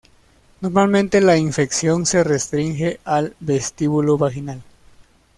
Normalmente la infección se restringe al vestíbulo vaginal.